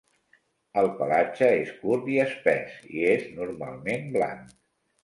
El pelatge és curt i espès, i és normalment blanc.